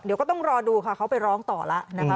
เดี๋ยวก็ต้องรอดูค่ะเขาไปร้องต่อแล้วนะคะ